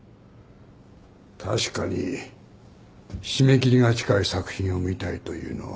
確かに締め切りが近い作品を見たいというのは無理があった。